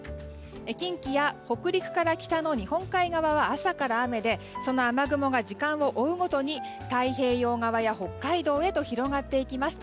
近畿や北陸から北の日本海側は朝から雨でその雨雲が時間を追うごとに太平洋側や北海道へと広がっていきます。